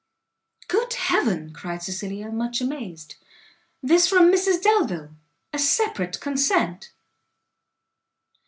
"Good heaven!" cried Cecilia, much amazed, "this from Mrs Delvile! a separate consent?"